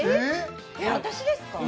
私ですか？